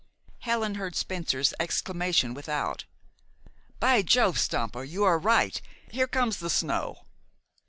Helen heard Spencer's exclamation without. "By Jove, Stampa! you are right! Here comes the snow."